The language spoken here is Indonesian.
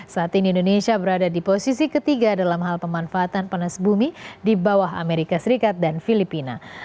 saat ini indonesia berada di posisi ketiga dalam hal pemanfaatan panas bumi di bawah amerika serikat dan filipina